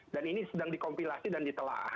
dan ini sedang dikompilasi dan ditelah